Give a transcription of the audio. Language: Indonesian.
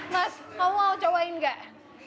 mas kamu mau cobain nggak